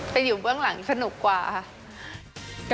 แต่อยู่เบื้องหลังสนุกกว่าค่ะ